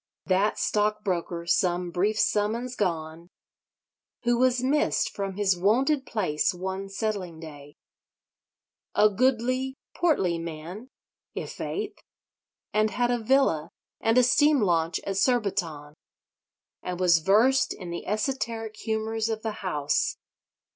That stockbroker, some brief summers gone, who was missed from his wonted place one settling day! a goodly portly man, i' faith: and had a villa and a steam launch at Surbiton: and was versed in the esoteric humours of the House.